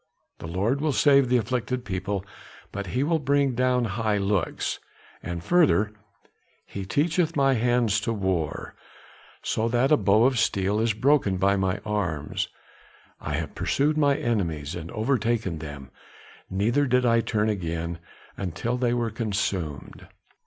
The Lord will save the afflicted people, but he will bring down high looks,' and further, 'He teacheth my hands to war, so that a bow of steel is broken by my arms; I have pursued mine enemies, and overtaken them, neither did I turn again till they were consumed.